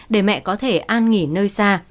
để mẹ có thể an nghỉ nơi xa